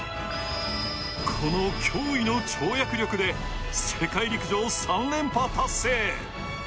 この驚異の跳躍力で世界陸上３連覇達成。